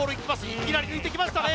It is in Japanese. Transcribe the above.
いきなり抜いてきましたね